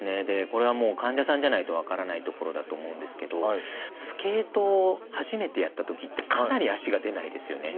これは患者さんじゃないと分からないところだと思うんですけどスケートを初めてやったときってかなり足が出ないですよね。